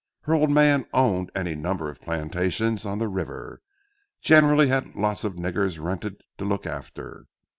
Her old man owned any number of plantations on the river—generally had lots of nigger renters to look after.